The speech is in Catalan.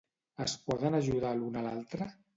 Es poden ajudar l'un a l'altre?